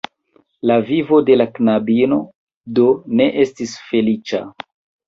La vivo de la knabino, do, ne estis feliĉa.